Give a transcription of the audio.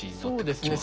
そうですね